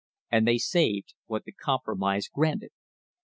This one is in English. And they saved what the compromise granted.